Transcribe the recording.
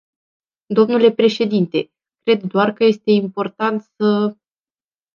Dle președinte, cred doar că este important să...